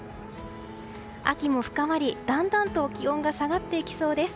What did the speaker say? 秋も深まり、だんだんと気温が下がってきそうです。